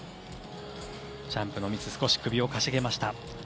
ジャンプのミスで少し首を傾げました。